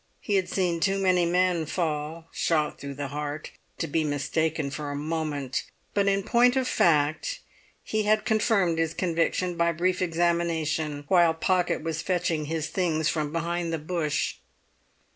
He had seen too many men fall shot through the heart to be mistaken for a moment; but in point of fact he had confirmed his conviction by brief examination while Pocket was fetching his things from behind the bush.